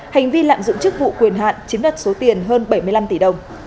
hành vi lạm dụng chức vụ quyền hạn chiếm đoạt số tiền hơn bảy mươi năm tỷ đồng